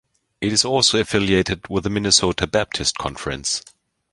It is also affiliated with the Minnesota Baptist Conference.